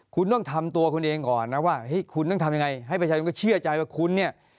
คุณต้องทำตัวคุณเองก่อนนะว่าเฮ้ยคุณต้องทำยังไงให้ประชาชนก็เชื่อใจว่าคุณเนี่ย